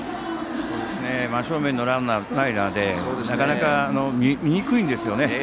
真正面のランナーがなかなか見にくいんですね。